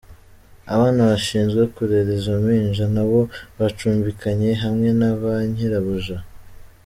Abana bashinzwe kurera izo mpinja nabo bacumbikanye hamwe na ba nyirabuja.